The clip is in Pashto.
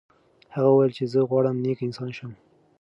هغه وویل چې زه غواړم نیک انسان شم.